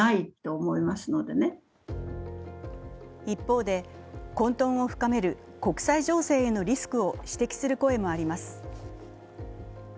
一方で混沌を深める国際情勢へのリスクを指摘する声もあります。